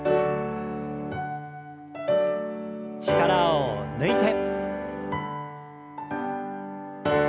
力を抜いて。